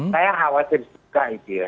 saya khawatir juga itu ya